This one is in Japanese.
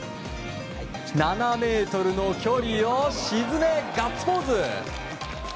７ｍの距離を沈めガッツポーズ！